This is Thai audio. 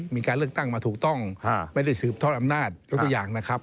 มีการเลือกตั้งมาถูกต้องไม่ได้สืบทอดอำนาจยกตัวอย่างนะครับ